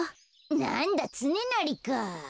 なんだつねなりか。